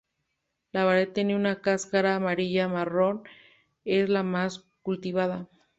La variedad tiene una cáscara amarilla-marrón; es la más cultivada.